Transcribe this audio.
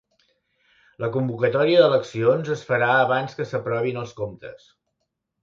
La convocatòria d'eleccions es farà abans que s'aprovin els comptes